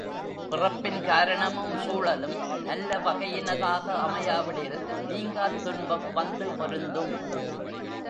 பிறப்பின் காரணமும் சூழலும் நல்ல வகையினதாக அமையாவிடில் நீங்காத் துன்பம் வந்து பொருந்தும்.